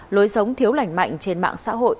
lối sống thiếu lành mạnh trên mạng xã hội